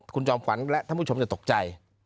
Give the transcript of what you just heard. คุณจอมขวัญและท่านผู้ชมจะตกใจ